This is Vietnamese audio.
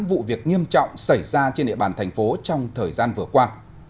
vụ việc nghiêm trọng xảy ra trên địa bàn thành phố trong thời gian vừa qua